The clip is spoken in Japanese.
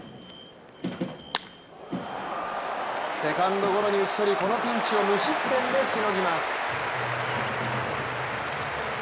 セカンドゴロに打ち取りこのピンチを無失点でしのぎます。